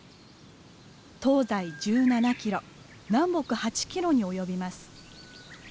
東西１７キロ南北８キロに及びます。